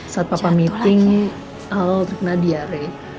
saat papa meeting awal terkena diare